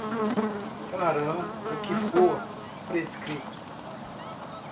Farão o que for prescrito